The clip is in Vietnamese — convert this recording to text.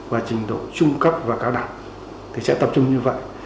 và trình độ trung cấp và cao đẳng thì sẽ tập trung như vậy